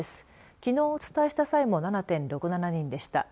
きのう、お伝えした際も７．６７人でした。